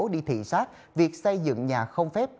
đi thị xác việc xây dựng nhà không phép